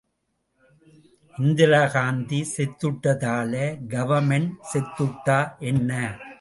Indira Gandhi செத்துட்டதால government செத்துட்டா என்ன?